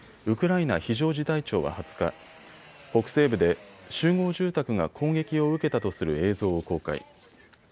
ウクライナ非常事態庁は２０日、北西部で集合住宅が攻撃を受けたとする映像を公開。